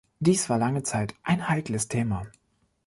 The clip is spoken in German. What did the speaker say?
Dies war lange Zeit ein heikles Thema.